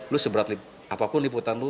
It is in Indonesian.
lo seberat apapun liputan lo